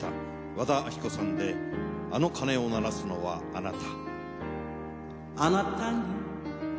和田アキ子さんで『あの鐘を鳴らすのはあなた』。